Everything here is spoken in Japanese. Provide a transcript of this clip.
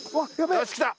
よし来た！